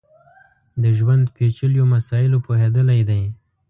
د ژوند پېچلیو مسایلو پوهېدلی دی.